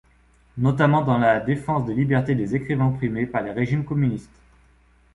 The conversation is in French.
Notamment dans la défense des libertés des écrivains opprimés par les régimes communistes.